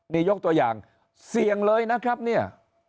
นี่ยกตัวอย่างเสี่ยงเลยนะครับเนี่ย